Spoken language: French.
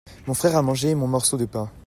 mon frère a mangé mon morceau de pain.